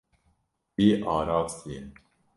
Wî arastiye.